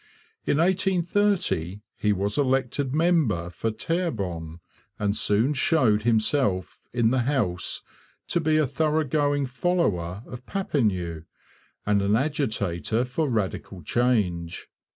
In 1830 he was elected member for Terrebonne, and soon showed himself in the House to be a thoroughgoing follower of Papineau and an agitator for radical change.